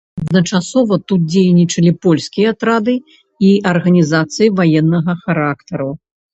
Адначасова тут дзейнічалі польскія атрады і арганізацыі ваеннага характару.